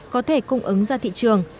có thể cung ứng ra thị trường